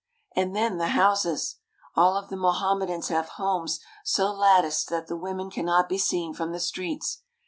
And then the houses! All of the Mohammedans have homes so latticed that the women cannot be seen from the streets.